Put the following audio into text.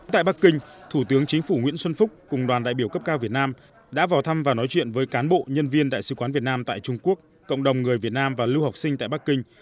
tại bắc kinh thủ tướng chính phủ nguyễn xuân phúc cùng đoàn đại biểu cấp cao việt nam đã vào thăm và nói chuyện với cán bộ nhân viên đại sứ quán việt nam tại trung quốc cộng đồng người việt nam và lưu học sinh tại bắc kinh